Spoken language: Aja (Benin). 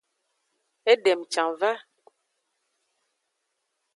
Edem can va.